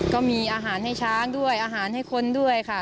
ก็มีอาหารให้ช้างด้วยอาหารให้คนด้วยค่ะ